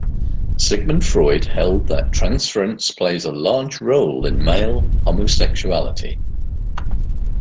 Sigmund Freud held that transference plays a large role in male homosexuality.